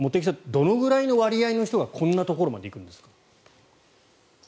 どのぐらいの割合の人がこんなところまで行くんですか？